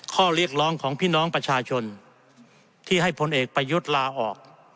ข้อเรียกร้องของพี่น้องประชาชนที่ให้พลเอกประยุทธ์ลาออก